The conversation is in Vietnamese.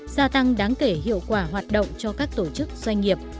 gia tăng đáng kể hiệu quả hoạt động cho các tổ chức doanh nghiệp